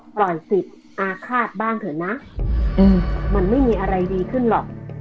ปล่อยสิทธิ์อาฆาตบ้างเถอะนะมันไม่มีอะไรดีขึ้นหรอก